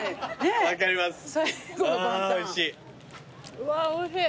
うわおいしい。